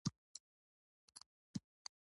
کله چې پر تولید ګډوډي وي نو قانون کار کوي